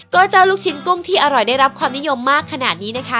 ก็เจ้าลูกชิ้นกุ้งที่อร่อยได้รับความนิยมมากขนาดนี้นะคะ